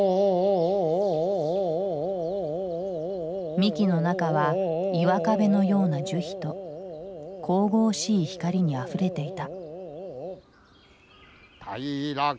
幹の中は岩壁のような樹皮と神々しい光にあふれていた。